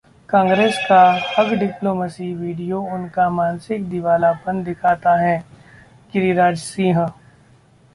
कांग्रेस का hug diplomacy video उनका मानसिक दिवालियापन दिखाता है: गिरिराज सिंह